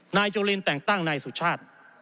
นายจุลินแต่งตั้งนายสุชาติ